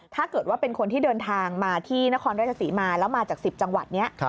ถ้าเป็นคนที่เดินทางมาที่นครรัฐกษีและมาจาก๑๐จังหวัด